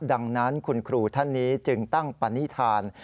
ดังนั้นคุณครูท่านนี้จึงตั้งปณิธาน